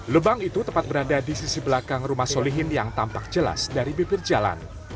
lubang itu tepat berada di sisi belakang rumah solihin yang tampak jelas dari bibir jalan